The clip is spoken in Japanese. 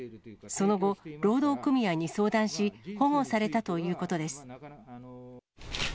その後、労働組合に相談し、保護されたということです。